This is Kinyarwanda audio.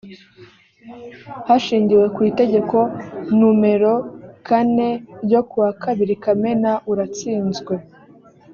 hashingiwe ku itegeko numero kane ryo ku wa kabiri kamena uratsinzwe